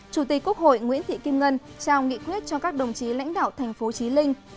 chủ tịch quốc hội nguyễn thị kim ngân trao nghị quyết cho các đồng chí lãnh đạo thành phố trí linh